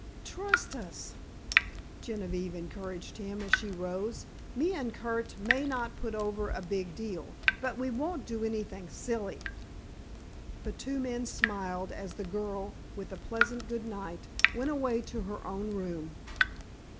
"Trust us!" Genevieve encouraged him, as she rose. "Me and Curt may not put over a big deal, but we won't do anything silly." The two men smiled as the girl, with a pleasant good night, went away to her own room.